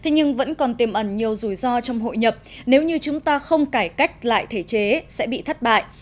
nhưng vẫn còn tiềm ẩn nhiều rủi ro trong hội nhập nếu như chúng ta không cải cách lại thể chế sẽ bị thất bại